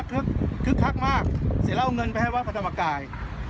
เอาเงินไปให้วัดพระธรรมกาย